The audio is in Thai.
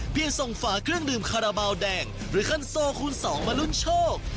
ส่งฝาเครื่องดื่มคาราบาลแดงหรือคันโซคูณ๒มาลุ้นโชค